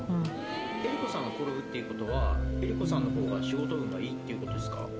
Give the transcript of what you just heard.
江里子さんが転ぶってことは、江里子さんのほうが仕事運がいいっていうことですか？